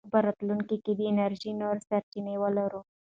موږ به په راتلونکي کې د انرژۍ نورې سرچینې ولرو.